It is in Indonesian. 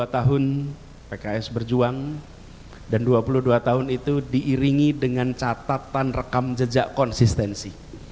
dua tahun pks berjuang dan dua puluh dua tahun itu diiringi dengan catatan rekam jejak konsistensi